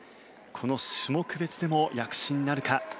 この種目別でも躍進なるか。